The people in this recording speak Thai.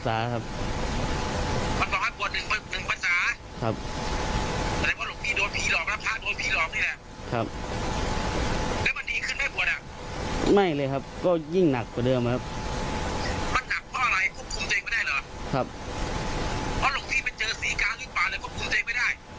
เพราะลุงพี่มันเจอสีกล้างหรือเปล่าเลยก็คุ้มตัวเองไม่ได้